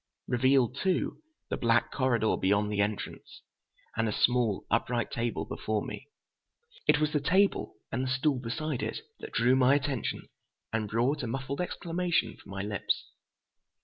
Revealed, too, the black corridor beyond the entrance, and a small, upright table before me. It was the table, and the stool beside it, that drew my attention and brought a muffled exclamation from my lips.